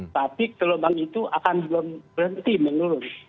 tapi gelombang itu akan belum berhenti menurun